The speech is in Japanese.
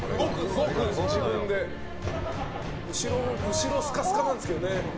後ろ、スカスカなんですけどね。